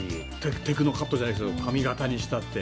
テクノカットじゃないけど髪形にしたって。